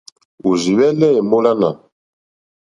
Òrzì hwɛ́lɛ́ èmólánà.